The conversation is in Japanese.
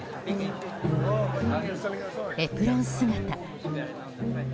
エプロン姿。